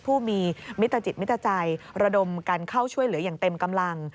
ผู้มีมิตรจิตมิตรใจระดมกันเข้าช่วยเหลืออย่างเต็มกำลัง